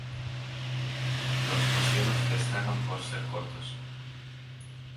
Los peciolos destacan por ser cortos.